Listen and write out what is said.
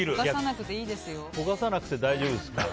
焦がさなくて大丈夫です。